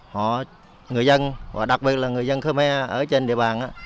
họ người dân và đặc biệt là người dân khmer ở trên địa bàn